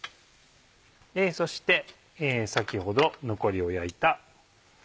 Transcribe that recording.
そして先ほど残りを焼いた。